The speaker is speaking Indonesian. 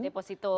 deposito gitu ya